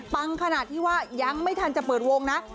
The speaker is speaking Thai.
ขนาดที่ว่ายังไม่ทันจะเปิดวงนะ